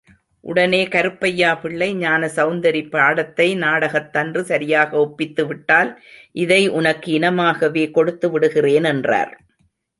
உடனே கருப்பையாபிள்ளை ஞானசெளந்தரி பாடத்தை நாடகத்தன்று சரியாக ஒப்பித்து விட்டால் இதை உனக்கு இனமாகவே கொடுத்து விடுகிறேன் என்றார்.